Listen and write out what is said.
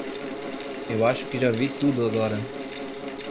Eu acho que já vi tudo agora.